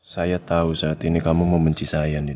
saya tau saat ini kamu membenci saya andin